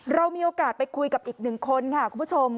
เรามีโอกาสไปคุยกับอีกหนึ่งคนค่ะคุณผู้ชม